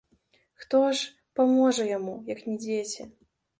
Хто ж паможа яму, як не дзеці!